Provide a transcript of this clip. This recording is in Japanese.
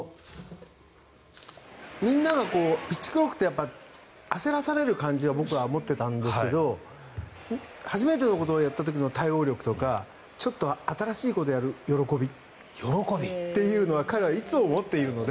みんながピッチクロックって焦らされる感じが僕は思っていたんですが初めてのことをやった時の対応力とかちょっと新しいことをやる喜びというのを彼はいつも持っているので。